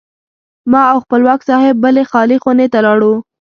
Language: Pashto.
ما او خپلواک صاحب بلې خالي خونې ته لاړو.